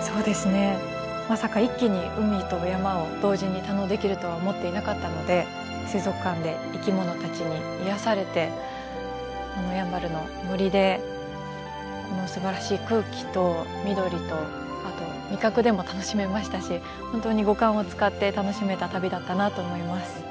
そうですねまさか一気に海と山を同時に堪能できるとは思っていなかったので水族館で生き物たちに癒やされてこのやんばるの森でこのすばらしい空気と緑とあと味覚でも楽しめましたし本当に五感を使って楽しめた旅だったなと思います。